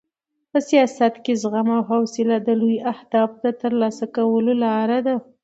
په سیاست کې زغم او حوصله د لویو اهدافو د ترلاسه کولو لار ده.